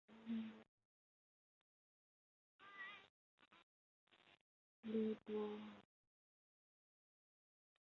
如今居民还是相信乐松山有守护者。